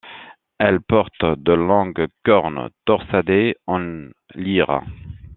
Elles portent de longues cornes torsadées en lyre.